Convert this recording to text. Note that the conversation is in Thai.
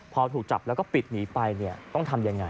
พอถูกจับแล้วก็ปิดหนีไปต้องทำยังไง